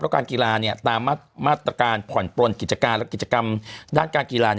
แล้วการกีฬาตามมาตรการผ่อนปล้นกิจกรรมด้านการกีฬา